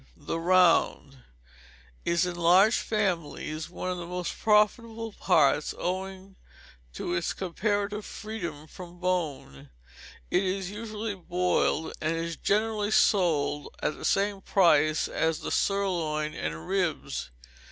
The Round is, in large families, one of the most profitable parts owing to its comparative freedom from bone: it is usually boiled, and is generally sold at the same price as the sirloin, and ribs.